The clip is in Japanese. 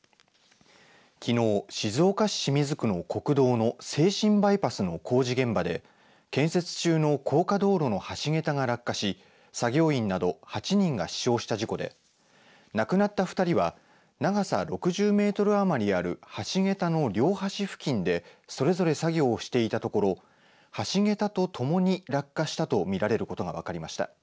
きのう静岡市清水区の国道の静清バイパスの工事現場で建設中の高架道路の橋桁が落下し作業員など８人が死傷した事故で亡くなった２人は長さ６０メートル余りある橋桁の両端付近でそれぞれ作業をしていたところ橋桁とともに落下したと見られることが分かりました。